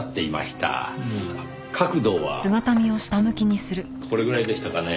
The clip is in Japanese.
角度はこれぐらいでしたかね？